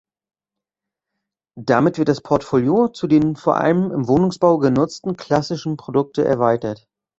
Damit wird das Portfolio zu den vor allem im Wohnungsbau genutzten „klassischen“ Produkte erweitert.